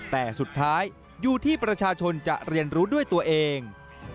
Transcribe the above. แต่สุดท้ายอยู่ที่ประชาชนจะเรียนรู้ด้วยตัวเอง